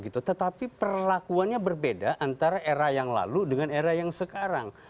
tetapi perlakuannya berbeda antara era yang lalu dengan era yang sekarang